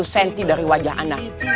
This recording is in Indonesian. sepuluh cm dari wajah anak